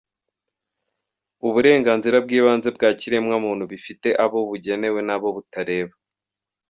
-Uburenganzira bw’ibanze bwa kiremwamuntu bifite abo bugenewe n’abo butareba;